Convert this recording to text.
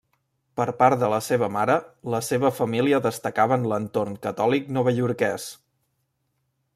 Per part de la seva mare, la seva família destacava en l'entorn catòlic novaiorquès.